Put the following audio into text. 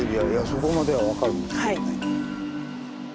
そこまでは分かるんですけどね。